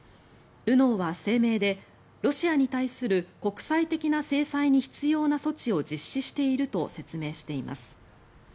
ルノーは声明で、ロシアに対する国際的な制裁に必要な措置を実施していると説明しています。